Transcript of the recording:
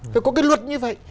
có cái luật như vậy